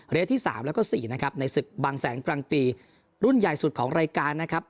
ที่๓แล้วก็๔นะครับในศึกบางแสนกลางปีรุ่นใหญ่สุดของรายการนะครับ